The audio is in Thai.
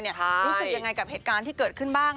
รู้สึกยังไงกับเหตุการณ์ที่เกิดขึ้นบ้าง